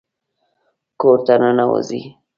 کور ته ننوځئ